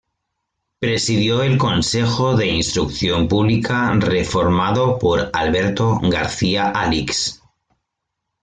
Presidió el Consejo de Instrucción Pública reformado por Alberto García-Alix.